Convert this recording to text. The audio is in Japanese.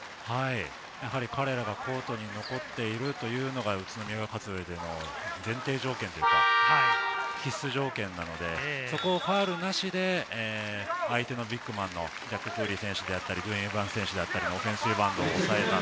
彼らがコートに残っているというのが宇都宮が勝つ上での前提条件というか、必須条件なので、そこをファウルなしで相手のビッグマンのクーリー選手やエバンス選手のオフェンスリバウンドを抑えた。